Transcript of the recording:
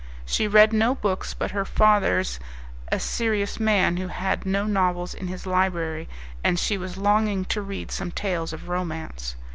She read no books but her father's a serious man who had no novels in his library, and she was longing to read some tales of romance.